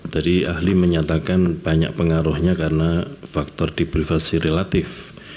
tadi ahli menyatakan banyak pengaruhnya karena faktor di privasi relatif